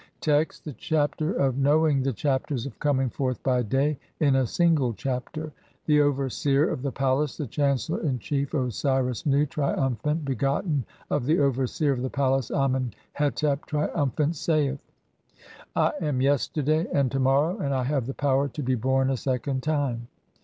Text: (1) The Chapier of knowing the "Chapters of COMING FORTH BY day" IN A (2) SINGLE CHAPTER. The over seer of the palace, the chancellor in chief, Osiris Nu, triumphant, begotten of the overseer of the palace, Amen hetep, triumphant, saith :— "I am Yesterday and To morrow; and I have the power, to "be born a second time.